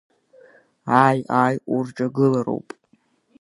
Ааи, ааи, урҿагылароуп.